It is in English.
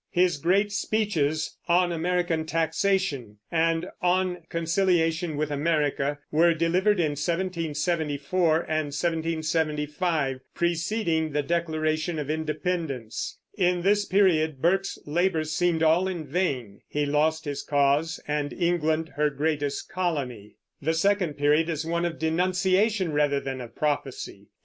His great speeches, "On American Taxation" and "On Conciliation with America," were delivered in 1774 and 1775, preceding the Declaration of Independence. In this period Burke's labor seemed all in vain; he lost his cause, and England her greatest colony. The second period is one of denunciation rather than of prophecy.